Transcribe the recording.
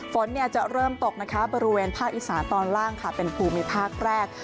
ฝนจะเริ่มตกนะคะบริเวณภาคอีสานตอนล่างค่ะเป็นภูมิภาคแรก